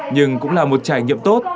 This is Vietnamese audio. nhưng cũng là một trải nghiệm tốt